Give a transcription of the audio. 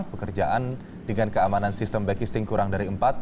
pekerjaan dengan keamanan sistem back listing kurang dari empat